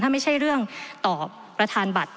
ไม่ใช่เรื่องต่อประธานบัตร